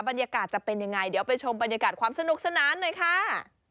บรรยากาศจะเป็นยังไงเดี๋ยวไปชมบรรยากาศความสนุกสนานหน่อยค่ะ